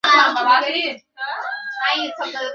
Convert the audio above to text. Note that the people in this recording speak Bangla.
পাশ্চাত্যদেশে নারীর রাজ্য, নারীর বল, নারীর প্রভুত্ব।